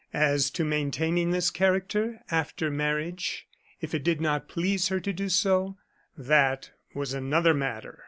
As to maintaining this character after marriage, if it did not please her to do so, that was another matter!